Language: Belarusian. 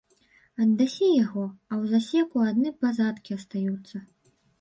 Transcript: Аддасі яго, а ў засеку адны пазадкі астаюцца.